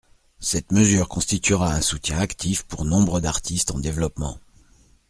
Cette mesure constituera un soutien actif pour nombre d’artistes en développement.